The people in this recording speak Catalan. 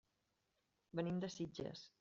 Venim de Sitges.